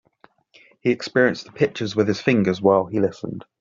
He experienced the pictures with his fingers while he listened.